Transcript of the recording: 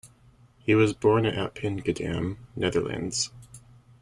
He was born in Appingedam, Netherlands.